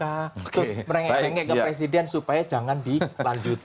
terus merengek rengek ke presiden supaya jangan dilanjutkan